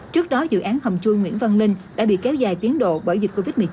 trước đó dự án hầm chui nguyễn văn linh đã bị kéo dài tiến độ bởi dịch covid một mươi chín